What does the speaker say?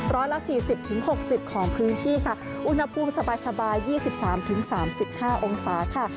ร้อยละ๔๐๖๐ของพื้นที่ค่ะอุณหภูมิสบาย๒๓๓๕องศาค่ะ